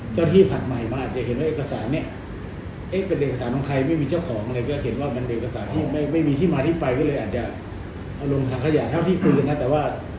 ที่ผัดใหม่มาอาจจะเห็นว่าเอกสารเนี่ยเอ๊ะเป็นเอกสารของใครไม่มีเจ้าของเลยก็เห็นว่ามันเป็นเอกสารที่ไม่มีที่มาที่ไปก็เลยอาจจะเอาลงถังขยะเท่าที่คืนนะแต่ว่า